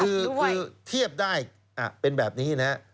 คือเทียบได้เป็นแบบนี้นะครับ